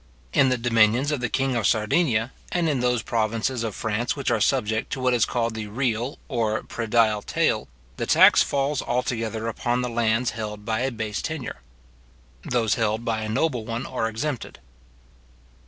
In the dominions of the king of Sardinia, and in those provinces of France which are subject to what is called the real or predial taille, the tax falls altogether upon the lands held by a base tenure. Those held by a noble one are exempted.